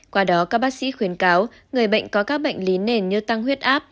qua đó các bác sĩ khuyến cáo người bệnh có các bệnh lý nền như tăng huyết áp